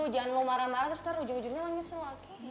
jangan lo marah marah terus ntar ujung ujungnya langsung nyesel oke